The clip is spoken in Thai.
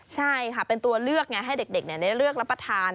ใช่ค่ะเป็นตัวเลือกไงให้เด็กได้เลือกรับประทาน